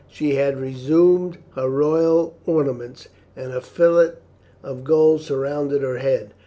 She had resumed her royal ornaments, and a fillet of gold surrounded her head.